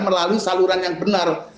melalui saluran yang benar